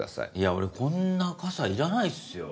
俺こんな傘いらないっすよ。